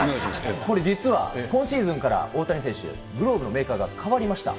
これ実は今シーズンから大谷選手、グローブのメーカーが変わりました。